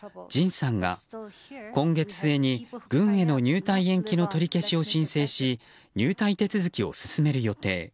ＪＩＮさんが今月末に軍への入隊延期の取り消しを申請し入隊手続きを進める予定。